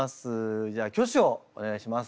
じゃあ挙手をお願いします。